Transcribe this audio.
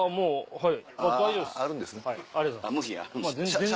はい。